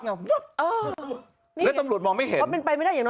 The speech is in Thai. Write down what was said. แล้วตำรวจมองไม่เห็น